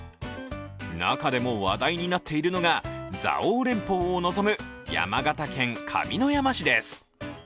中でも話題になっているのが、蔵王連峰を望む山形県上山市です。